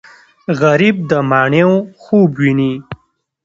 غریب د ماڼیو خوب ویني